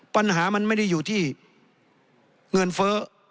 ปัญหามันไม่ได้อยู่ที่เงินเฟ้อ